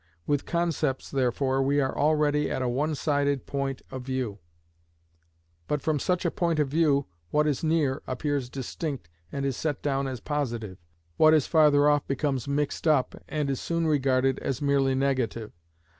With concepts, therefore, we are already at a one sided point of view; but from such a point of view what is near appears distinct and is set down as positive, what is farther off becomes mixed up and is soon regarded as merely negative.